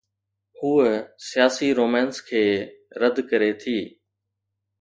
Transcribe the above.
هوءَ سياسي رومانس کي رد ڪري ٿي.